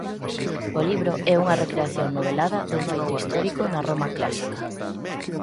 O libro é unha recreación novelada dun feito histórico na Roma clásica.